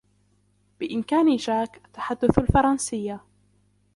بإمكان جاك تحدث الفرنسية.